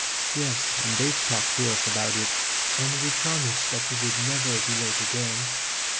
"Yes, and they've talked to us about it. And we promised that we would never be late again."